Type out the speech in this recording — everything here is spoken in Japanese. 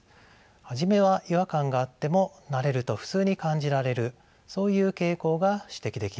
初めは違和感があっても慣れると普通に感じられるそういう傾向が指摘できます。